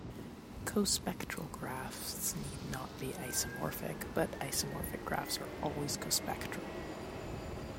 Cospectral graphs need not be isomorphic, but isomorphic graphs are always cospectral.